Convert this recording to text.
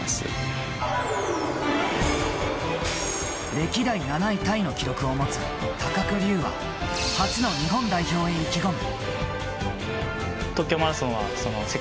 歴代７位タイの記録を持つ高久龍は初の日本代表に意気込む。